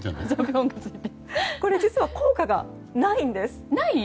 これ実は効果がないんです。